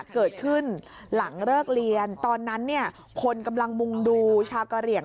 เกิดขึ้นหลังเลิกเรียนตอนนั้นเนี่ยคนกำลังมุ่งดูชาวกะเหลี่ยง